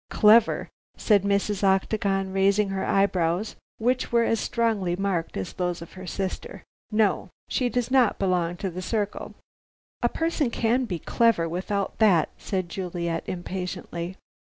"Clever," said Mrs. Octagon, raising her eyebrows, which were as strongly marked as those of her sister, "no. She does not belong to The Circle." "A person can be clever without that," said Juliet impatiently.